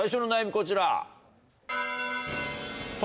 こちら。